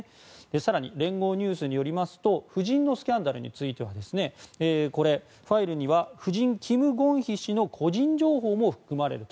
更に聯合ニュースによりますと夫人のスキャンダルについてはファイルには夫人キム・ゴンヒ氏の個人情報も含まれると。